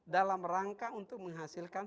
dalam rangka untuk menghasilkan